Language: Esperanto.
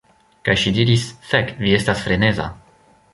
Kaj ŝi diris: "Fek, vi estas freneza."